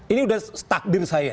ini sudah setakdir saya